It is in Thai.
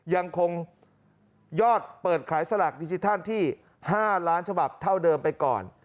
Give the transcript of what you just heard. ยังคงยอดเปิดขายสลากดิจิทัลที่๕ล้านฉบับเท่าเดิมไปก่อน